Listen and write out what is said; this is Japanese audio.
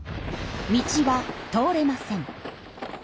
道は通れません。